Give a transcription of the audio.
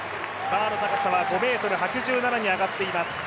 バーの高さは５ｍ８７に上がっています。